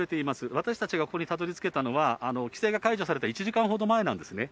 私たちがここにたどりつけたのは、規制が解除された１時間ほど前なんですね。